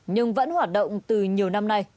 nhưng vẫn hoạt động từ nhiều năm nay